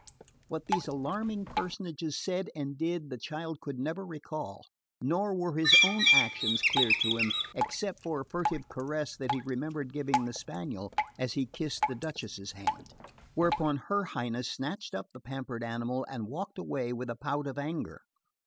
What these alarming personages said and did, the child could never recall; nor were his own actions clear to him, except for a furtive caress that he remembered giving the spaniel as he kissed the Duchess's hand; whereupon her Highness snatched up the pampered animal and walked away with a pout of anger.